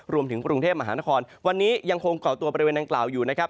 รวมถึงกรุงเทพมหานครวันนี้ยังคงเกาะตัวบริเวณดังกล่าวอยู่นะครับ